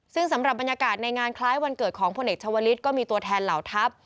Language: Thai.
ซึ่งสำหรับบรรยากาศในงานคล้ายวันเกิดของพลเอกชาวลิศก็มีตัวแทนเหล่าทัพ